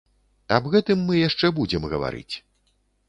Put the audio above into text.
Аб гэтым мы яшчэ будзем гаварыць.